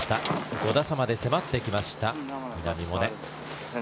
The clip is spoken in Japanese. ５打差まで迫ってきました稲見萌寧。